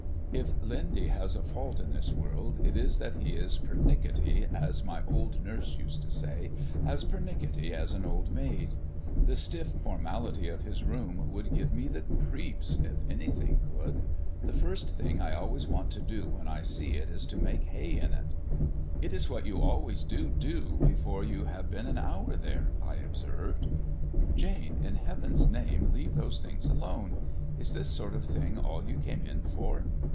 "If Lindy has a fault in this world, it is that he is as pernickety, as my old nurse used to say as pernickety as an old maid. The stiff formality of his room would give me the creeps, if anything could. The first thing I always want to do when I see it is to make hay in it." "It is what you always do do, before you have been an hour there," I observed. "Jane, in Heaven's name leave those things alone! Is this sort of thing all you came in for?"